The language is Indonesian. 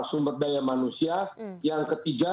sumber daya manusia yang ketiga